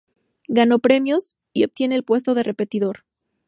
Ganó premios, y obtiene el puesto de repetidor.